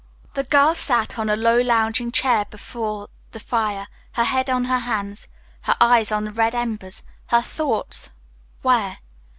The girl sat on a low lounging chair before the fire, her head on her hand, her eyes on the red embers, her thoughts where?